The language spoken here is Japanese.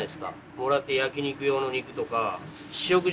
もらって焼き肉用の肉とか塩鯨